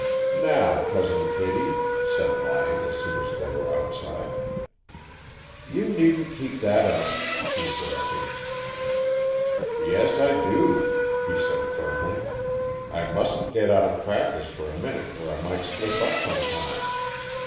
"Now, Cousin Kittie," said Lyon, as soon as they were outside. "You needn't keep that up," she interrupted. "Yes, I do," he said, firmly. "I mustn't get out of practice for a minute, or I might slip up some time.